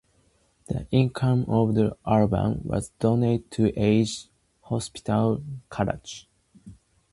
The income of this album was donated to Aga Khan Hospital, Karachi.